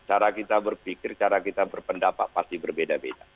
cara kita berpikir cara kita berpendapat pasti berbeda beda